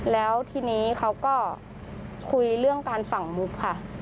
แล้วทีนี้เขาก็คุยเรื่องการฝั่งมุกค่ะ